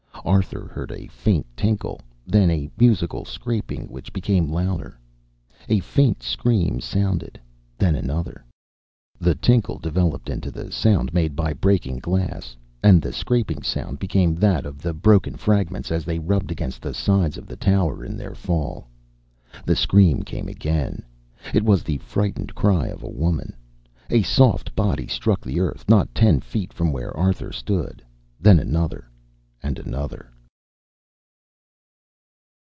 Arthur heard a faint tinkle, then a musical scraping, which became louder. A faint scream sounded, then another. The tinkle developed into the sound made by breaking glass, and the scraping sound became that of the broken fragments as they rubbed against the sides of the tower in their fall. The scream came again. It was the frightened cry of a woman. A soft body struck the earth not ten feet from where Arthur stood, then another, and another.